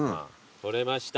採れました！